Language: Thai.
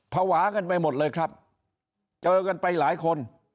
ภาวะกันไปหมดเลยครับเจอกันไปหลายคน